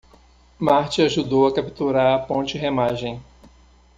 Marty ajudou a capturar a ponte Remagen.